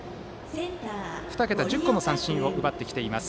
２桁、１０個の三振を奪ってきています。